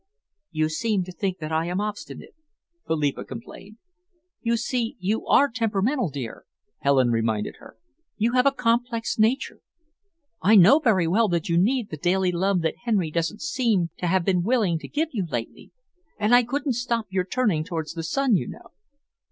"You seem to think that I am obstinate," Philippa complained. "You see, you are temperamental, dear," Helen reminded her. "You have a complex nature. I know very well that you need the daily love that Henry doesn't seem to have been willing to give you lately, and I couldn't stop your turning towards the sun, you know.